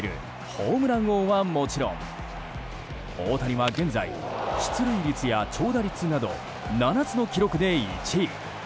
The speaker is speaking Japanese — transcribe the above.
ホームラン王はもちろん大谷は現在、出塁率や長打率など７つの記録で１位。